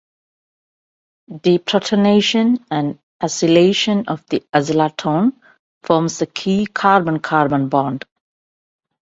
Deprotonation and acylation of the azlactone forms the key carbon-carbon bond.